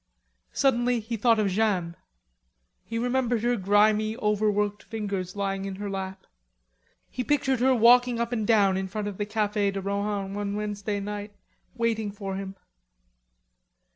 Suddenly he thought of Jeanne. He remembered her grimy, overworked fingers lying in her lap. He pictured her walking up and down in front of the Cafe de Rohan one Wednesday night, waiting for him.